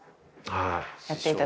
はい。